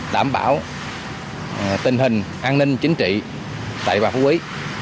đảm bảo tình hình an ninh chính trị tại bà phú quý